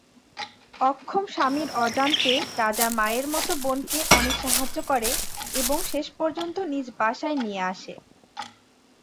অক্ষম স্বামীর অজান্তে রাজা মায়ের মতো বোনকে অনেক সাহায্য করে এবং শেষ পর্যন্ত নিজ বাসায় নিয়ে আসে।